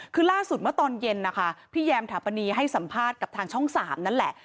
คือล่าสุดเมื่อตอนเย็นนะคะพี่แยมถาปนีให้สัมภาษณ์กับทางช่อง๓นั่นแหละ